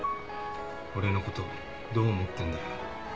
俺のことどう思ってんだよ。